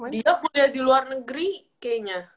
dia kuliah di luar negeri kayaknya